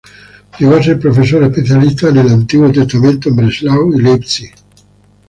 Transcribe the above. Llegó a ser profesor especialista en el Antiguo Testamento en Breslau y Leipzig.